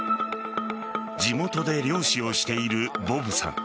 地元で漁師をしているボブさん。